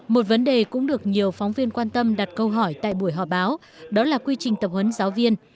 một vấn đề cũng được nhiều phóng viên quan tâm đặt câu hỏi tại buổi họp báo đó là quy trình tập huấn giáo viên